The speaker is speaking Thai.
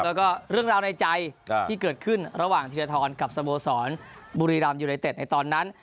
แล้วก็เรื่องราวในใจที่เกิดขึ้นระหว่างธีรธรกับสโมสรบุรีรามยูไนเต็ดในตอนนั้น